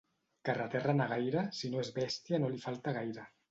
Carreter renegaire, si no és bèstia no li falta gaire.